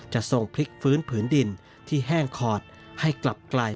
ทรงพลิกฟื้นผืนดินที่แห้งขอดให้กลับไกล